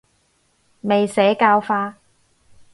未社教化